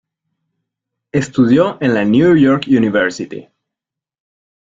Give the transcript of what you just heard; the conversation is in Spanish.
Estudió en la New York University.